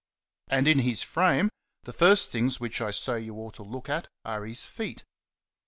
And in his frame, the first things which I say you ought to look at are his feet.